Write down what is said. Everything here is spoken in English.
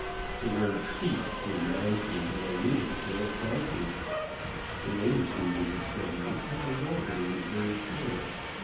The word "seat" reminds me that I needed a pair of trousers. The rainy season had set in, and I wanted a reserve pair.